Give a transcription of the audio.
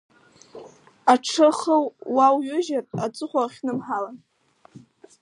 Аҽы ахы уаҩужьыр аҵыхәа уахьнымҳалан!